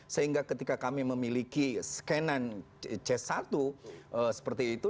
sehingga ketika kami memiliki scan c satu seperti itu